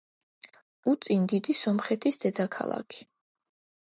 უწინ დიდი სომხეთის დედაქალაქი.